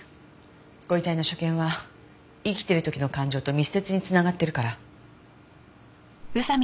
ご遺体の所見は生きてる時の感情と密接に繋がってるから。